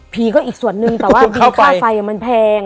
ก็อีกส่วนนึงแต่ว่าค่าไฟมันแพง